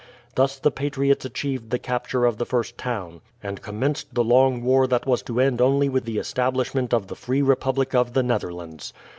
Thus the patriots achieved the capture of the first town, and commenced the long war that was to end only with the establishment of the Free Republic of the Netherlands.